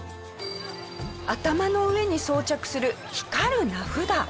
頭の上に装着する光る名札。